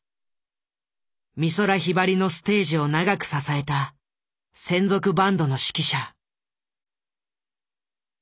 美空ひばりのステージを長く支えた専属バンドの指揮者。